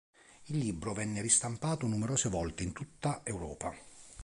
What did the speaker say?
Il libro venne ristampato numerose volte in tutta Europa.